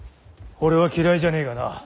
俺は嫌いじゃねえがな。